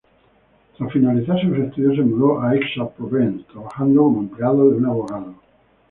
Tras finalizar sus estudios se mudó a Aix-en-Provence, trabajando como empleado de un abogado.